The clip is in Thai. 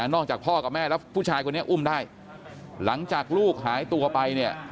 อกจากพ่อกับแม่แล้วผู้ชายคนนี้อุ้มได้หลังจากลูกหายตัวไปเนี่ย